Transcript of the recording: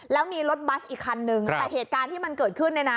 แล้วมีรถบัสอีกคันนึงแต่เหตุการณ์ที่มันเกิดขึ้นเนี่ยนะ